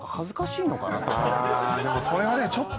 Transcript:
ああでもそれはね。